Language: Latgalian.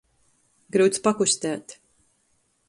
Gryuts pakustēt.